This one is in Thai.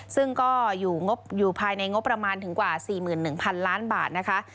ซึ่งก็อยู่ภายในงบประมาณถึงกว่า๔๑๐๐๐ล้านบาทนะคะ